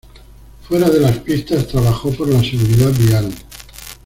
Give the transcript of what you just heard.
Fuera de las pistas trabajó por la seguridad vial.